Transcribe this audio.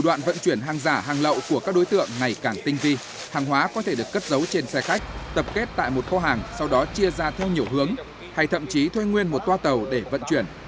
để vận chuyển hàng giả hàng lậu của các đối tượng ngày càng tinh vi hàng hóa có thể được cất giấu trên xe khách tập kết tại một kho hàng sau đó chia ra theo nhiều hướng hay thậm chí thuê nguyên một toa tàu để vận chuyển